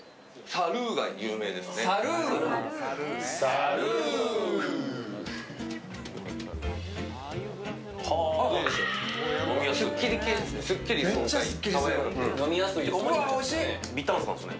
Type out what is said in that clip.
サルーが有名ですね。